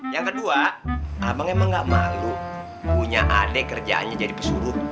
yang kedua abang emang gak malu punya adik kerjaannya jadi pesuruh